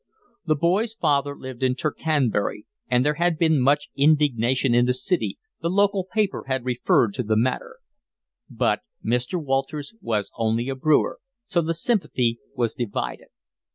The boy's father lived in Tercanbury, and there had been much indignation in the city, the local paper had referred to the matter; but Mr. Walters was only a brewer, so the sympathy was divided.